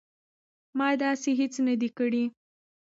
ما داسې هیڅ نه دي کړي